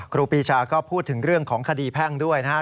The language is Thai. ครูปีชาก็พูดถึงเรื่องของคดีแพ่งด้วยนะครับ